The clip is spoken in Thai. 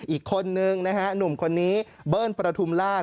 อีกคนนึงนะฮะหนุ่มคนนี้เบิ้ลประทุมราช